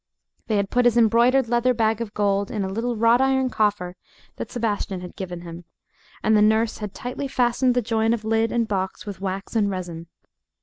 They had put his embroidered leather bag of gold in a little wrought iron coffer that Sebastian had given him, and the nurse had tightly fastened the join of lid and box with wax and resin.